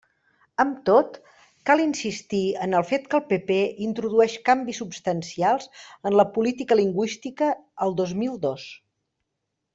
Amb tot, cal insistir en el fet que el PP introdueix canvis substancials en la política lingüística el dos mil dos.